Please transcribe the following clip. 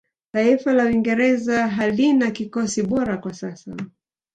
taifa la uingereza halina kikosi bora kwa sasa